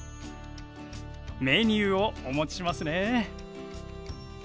メニューをお持ちしますね。